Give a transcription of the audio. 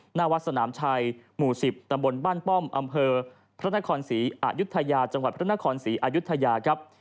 หน้าวัดสนามชายหมู่๑๐ตำบลบ้านป้อมอำเภอพระนครศรีอายุทยา